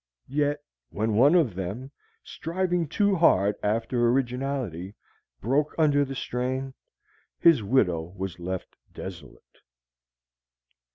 Yet when one of them, striving too hard after originality, broke under the strain, his widow was left desolate.